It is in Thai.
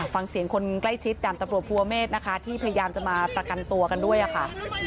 ฟังเสียงคนใกล้ชิดดาบตำรวจภูเมฆนะคะที่พยายามจะมาประกันตัวกันด้วยค่ะ